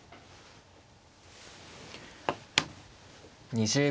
２０秒。